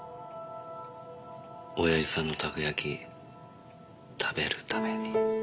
親父さんのたこ焼き食べるためにでしょ？